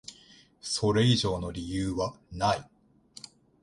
それ以上の理由はない。